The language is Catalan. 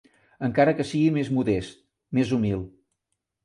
Encara que sia més modest, més humil